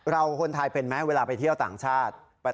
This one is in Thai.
คนไทยเป็นไหมเวลาไปเที่ยวต่างชาติ